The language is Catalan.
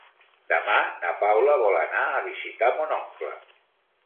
Demà na Paula vol anar a visitar mon oncle.